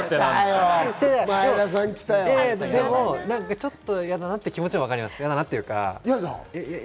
ちょっと嫌だなって気持ちは分かります。